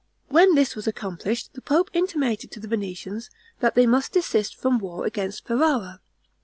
When this was accomplished, the pope intimated to the Venetians, that they must desist from war against Ferrara.